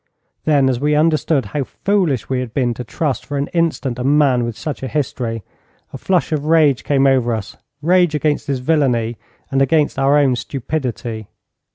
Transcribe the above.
Then, as we understood how foolish we had been to trust for an instant a man with such a history, a flush of rage came over us, rage against his villainy and against our own stupidity.